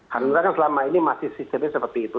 hanura kan selama ini masih sistemnya seperti itu